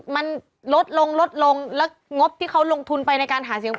มันลดลงลดลงแล้วงบที่เขาลงทุนไปในการหาเสียง